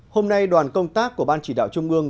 hôm nay đoàn công tác của ban chỉ đạo trung ương